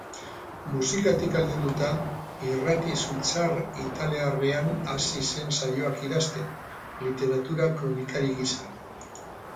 Musikatik aldenduta, irrati suitzar-italiarrean hasi zen saioak idazten, literatura-kronikari gisa.